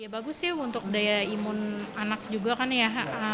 bagus ya untuk daya imun anak juga kan ya